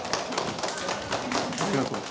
ありがとう。